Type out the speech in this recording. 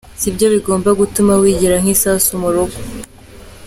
sibyo bigomba gutuma wigira nk’isasu mu rugo.